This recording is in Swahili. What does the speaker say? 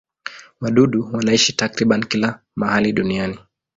Wadudu wanaishi takriban kila mahali duniani.